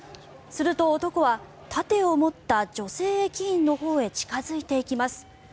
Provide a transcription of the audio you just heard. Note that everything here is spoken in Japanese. すると男は盾を持った女性駅員のほうへ近付いていきます。